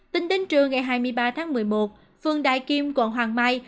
tính đến trưa ngày hai mươi ba tháng một mươi một phường đại kim quận hoàng mai